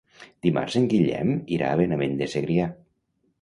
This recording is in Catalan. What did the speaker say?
Dimarts en Guillem irà a Benavent de Segrià.